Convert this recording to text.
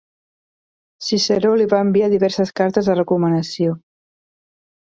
Ciceró li va enviar diverses cartes de recomanació.